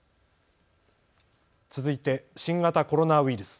続いて新型コロナウイルス。